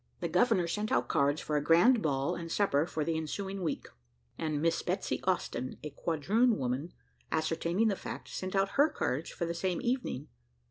The governor sent out cards for a grand ball and supper for the ensuing week, and Miss Betsy Austin, a quadroon woman, ascertaining the fact, sent out her cards for the same evening.